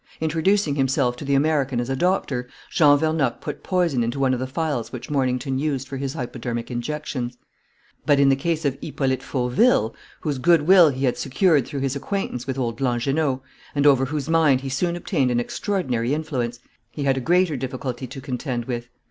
Introducing himself to the American as a doctor, Jean Vernocq put poison into one of the phials which Mornington used for his hypodermic injections. "But in the case of Hippolyte Fauville, whose good will he had secured through his acquaintance with old Langernault, and over whose mind he soon obtained an extraordinary influence, he had a greater difficulty to contend with.